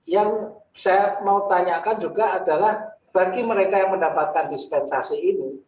yang saya mau tanyakan juga adalah bagi mereka yang mendapatkan dispensasi ini